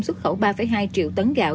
xuất khẩu ba hai triệu tấn gạo